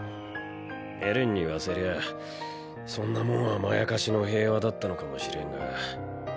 エレンに言わせりゃそんなもんはまやかしの平和だったのかもしれんが。